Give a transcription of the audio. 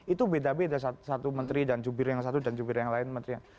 itu beda beda satu menteri dan jubir yang satu dan jubir yang lain